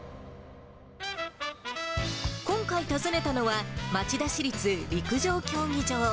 今回訪ねたのは町田市立陸上競技場。